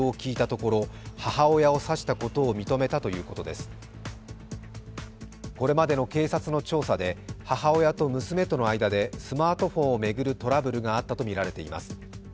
これまでの警察の調査で母親と娘との間でスマートフォンを巡るトラブルがあったとみられています。